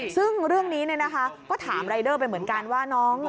ซึ่งเรื่องนี้ก็ถามรายเดอร์ไปเหมือนกันว่าน้อง